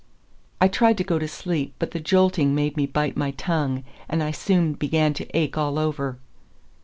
I tried to go to sleep, but the jolting made me bite my tongue, and I soon began to ache all over.